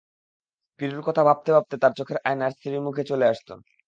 পিরুর কথা ভাবতে ভাবতে তার চোখের আয়নায় স্ত্রীর মুখ চলে আসত।